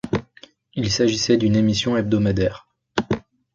Il s'agissait d'une émission hebdomadaire.